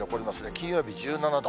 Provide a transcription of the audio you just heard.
金曜日１７度。